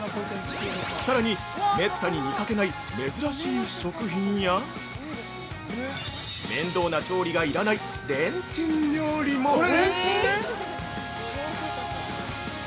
さらにめったに見かけない珍しい食品や、面倒な調理が要らないレンチン料理も。